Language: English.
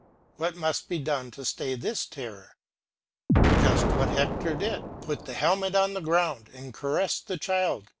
What must be done to stay this terror? Just what Hector did; put the helmet on the ground and caress the child.